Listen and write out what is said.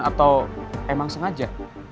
atau emang sengaja